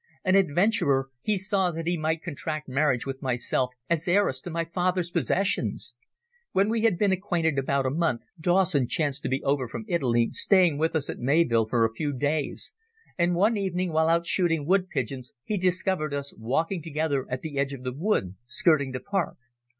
An adventurer, he saw that he might contract marriage with myself, as heiress to my father's possessions. When we had been acquainted about a month, Dawson chanced to be over from Italy, staying with us at Mayvill for a few days, and one evening while out shooting wood pigeons he discovered us walking together at the edge of the wood skirting the park.